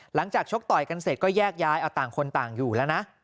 ชกต่อยกันเสร็จก็แยกย้ายต่างคนต่างอยู่แล้วนะ